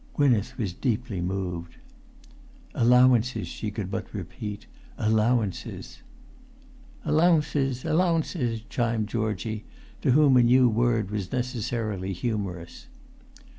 Gwynneth was deeply moved. "Allowances," she could but repeat; "allowances!" "Allow'nces, allow'nces!" chimed Georgie, to whom a new word was necessarily humorous.